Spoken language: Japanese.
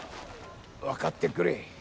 分かってくれ。